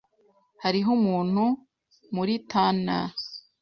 Hariho umuntu muri tunnel.